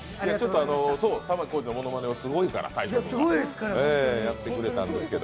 玉置浩二のものまねはすごいから、やってくれたんですけど。